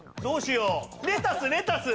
どうしよう！